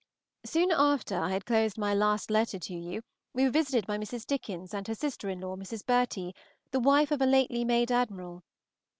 Soon after I had closed my last letter to you we were visited by Mrs. Dickens and her sister in law, Mrs. Bertie, the wife of a lately made Admiral.